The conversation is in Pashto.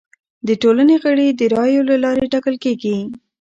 د ټولنې غړي د رایو له لارې ټاکل کیږي.